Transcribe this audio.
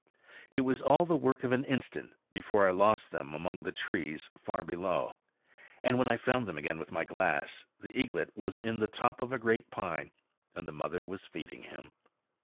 It was all the work of an instant before I lost them among the trees far below. And when I found them again with my glass, the eaglet was in the top of a great pine, and the mother was feeding him.